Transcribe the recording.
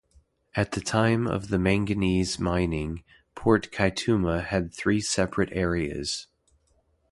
At the time of the manganese mining, Port Kaituma had three separate areas.